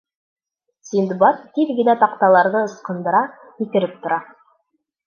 Синдбад тиҙ генә таҡталарҙы ыскындыра, һикереп тора: